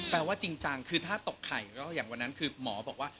ว่าจริงจังคือถ้าตกไข่ก็อย่างวันนั้นคือหมอบอกว่า